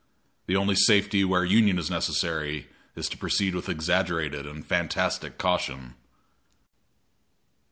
The only safety where union is necessary is to proceed with exaggerated and fantastic caution.